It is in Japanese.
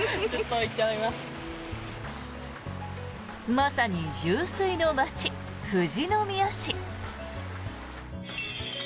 まさに湧水の街、富士宮市。